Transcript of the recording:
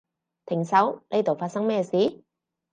停手，呢度發生咩事？